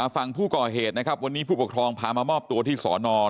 ฝั่งผู้ก่อเหตุนะครับวันนี้ผู้ปกครองพามามอบตัวที่สอนอ